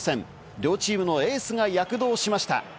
両チームのエースが躍動しました。